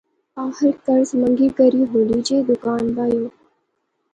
آخر قرض مانگ کری ہولی جئی دکان بائیوں